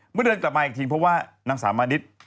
เมื่อเดินกลับมาอีกทีเพราะว่านางสาวมานิด